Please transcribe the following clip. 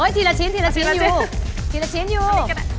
เฮ้ยทีละชิ้นอยู่อยู่